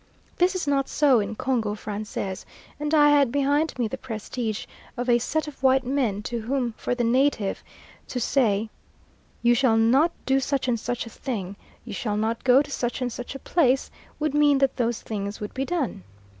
This is not so in Congo Francais, and I had behind me the prestige of a set of white men to whom for the native to say, "You shall not do such and such a thing;" "You shall not go to such and such a place," would mean that those things would be done.